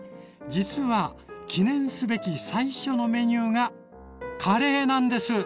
実は記念すべき最初のメニューがカレーなんです！